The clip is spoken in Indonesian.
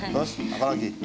terus apa lagi